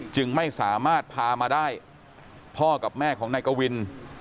จึงไม่สามารถพามาได้พ่อกับแม่ของนายกวิน